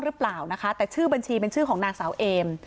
หรือเปล่านะคะแต่ชื่อบัญชีเป็นชื่อของนางสาวเอม